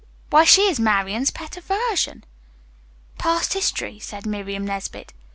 "Why she is Marian's pet aversion." "Past history," said Miriam Nesbit.